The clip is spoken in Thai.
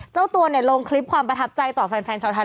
เจ้าตัวเนี่ยลงคลิปความประทับใจต่อแฟนชาวไทย